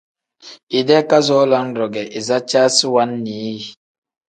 Idee kazoo lam-ro ge izicaasi wannii yi.